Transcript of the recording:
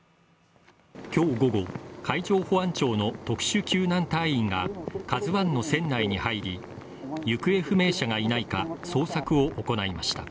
今日午後、海上保安庁の特殊救難隊員が「ＫＡＺＵⅠ」の船内に入り、行方不明者がいないか捜索を行いました。